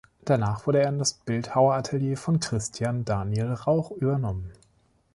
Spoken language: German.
Danach wurde er in das Bildhaueratelier von Christian Daniel Rauch übernommen.